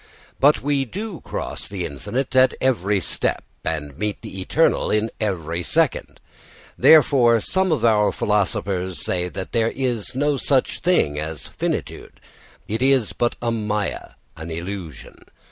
But we do cross the infinite at every step, and meet the eternal in every second. Therefore some of our philosophers say there is no such thing as finitude; it is but a māyā, an illusion.